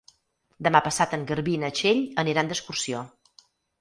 Demà passat en Garbí i na Txell aniran d'excursió.